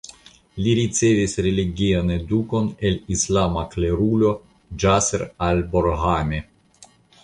Li ricevis religian edukon el islama klerulo Ĝaser Al Borhami.